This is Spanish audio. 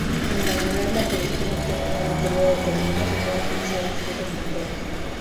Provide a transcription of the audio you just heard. Al valorar la producción obtenida en un periodo determinado se pueden utilizar distintos criterios.